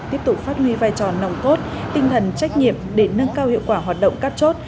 tiếp tục phát huy vai trò nòng cốt tinh thần trách nhiệm để nâng cao hiệu quả hoạt động các chốt